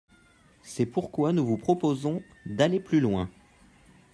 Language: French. C’est pourquoi nous vous proposons d’aller plus loin.